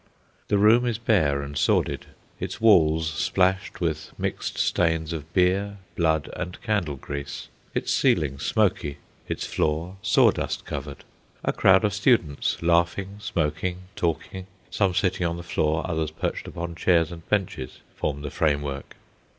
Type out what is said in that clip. The room is bare and sordid; its walls splashed with mixed stains of beer, blood, and candle grease; its ceiling, smoky; its floor, sawdust covered. A crowd of students, laughing, smoking, talking, some sitting on the floor, others perched upon chairs and benches form the framework.